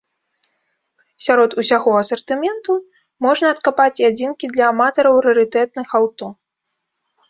Сярод усяго асартыменту можна адкапаць і адзінкі для аматараў рарытэтных аўто.